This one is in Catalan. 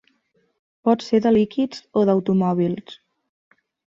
Pot ser de líquids o d'automòbils.